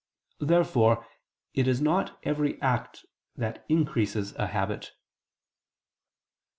Therefore it is not every act that increases a habit.